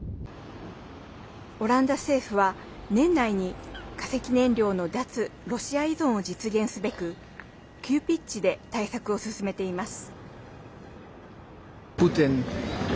オランダ政府は、年内に化石燃料の脱ロシア依存を実現すべく急ピッチで対策を進めています。